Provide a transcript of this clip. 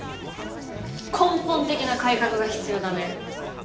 根本的な改革が必要だね。